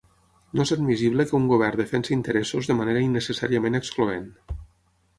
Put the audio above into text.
No és admissible que un govern defensi interessos de manera innecessàriament excloent.